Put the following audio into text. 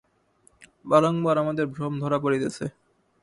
বারংবার আমাদের ভ্রম ধরা পড়িতেছে।